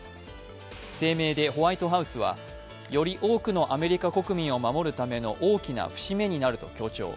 声明でホワイトハウスは、より多くのアメリカ国民を守るための大きな節目になると強調。